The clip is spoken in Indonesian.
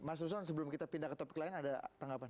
ada ke topik lain ada tanggapan